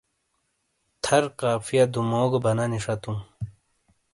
تھر قافیہ دُوموگوبنانی شَتُوں ۔